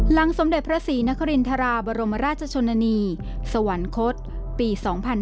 สมเด็จพระศรีนครินทราบรมราชชนนานีสวรรคตปี๒๕๕๙